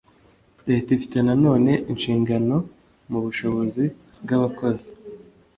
Leta ifite na none inshingano mu bushobozi bw’abakozi